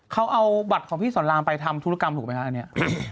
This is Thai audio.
เขาเอาบัตรของพี่สอนรามไปทำธุรกรรมถูกไหมคะอันนี้